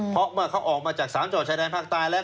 เพราะเมื่อเขาออกมาจาก๓จังหวัดชายแดนภาคใต้แล้ว